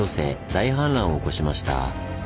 大氾濫を起こしました。